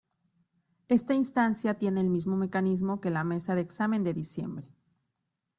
Esta instancia tiene el mismo mecanismo que la mesa de examen de diciembre.